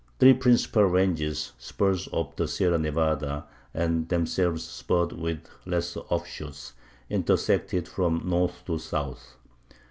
Three principal ranges, spurs of the Sierra Nevada, and themselves spurred with lesser offshoots, intersect it from north to south.